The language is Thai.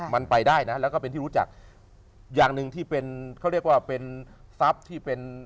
มันไปได้นะแล้วก็เป็นที่รู้จักอย่างหนึ่งที่เป็นเขาเรียกว่าเป็นทรัพย์ที่เป็น